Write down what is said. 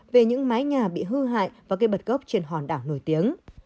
về những mái nhà bị hư hại và gây bật gốc trên hòn đảo nổi tiếng